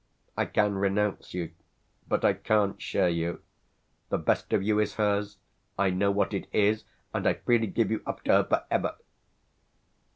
I can renounce you, but I can't share you; the best of you is hers; I know what it is and I freely give you up to her for ever!"